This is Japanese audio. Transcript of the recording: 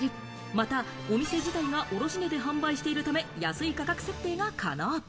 またお店自体が卸値で販売しているため、安い価格設定が可能。